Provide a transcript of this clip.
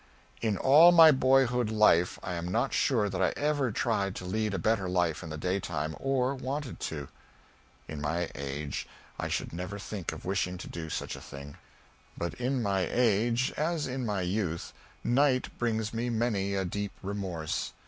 In all my boyhood life I am not sure that I ever tried to lead a better life in the daytime or wanted to. In my age I should never think of wishing to do such a thing. But in my age, as in my youth, night brings me many a deep remorse.